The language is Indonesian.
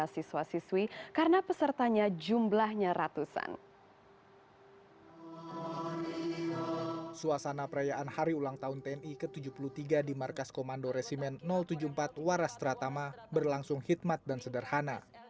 suasana perayaan hari ulang tahun tni ke tujuh puluh tiga di markas komando resimen tujuh puluh empat warastratama berlangsung khidmat dan sederhana